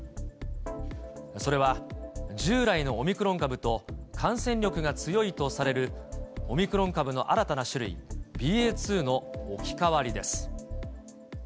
それは従来のオミクロン株と、感染力が強いとされるオミクロン株の新たな種類、ＢＡ．２の置き換わりです。